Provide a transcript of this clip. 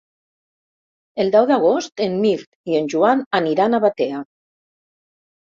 El deu d'agost en Mirt i en Joan aniran a Batea.